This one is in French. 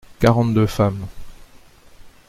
Quarante-deux femmes.